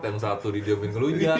yang satu didiamin ngelunjak